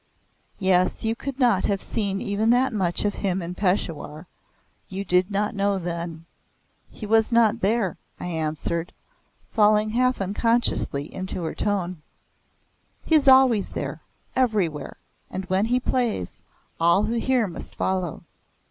"Yes, you could not have seen even that much of him in Peshawar. You did not know then." "He was not there," I answered, falling half unconsciously into her tone. "He is always there everywhere, and when he plays, all who hear must follow.